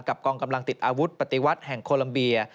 กองกำลังติดอาวุธปฏิวัติแห่งโคลัมเบีย